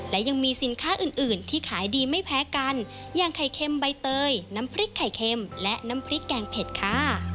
และยังมีสินค้าอื่นอื่นที่ขายดีไม่แพ้กันอย่างไข่เค็มใบเตยน้ำพริกไข่เค็มและน้ำพริกแกงเผ็ดค่ะ